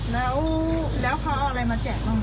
แล้วเขาเอาอะไรมาแกะเข้ากัน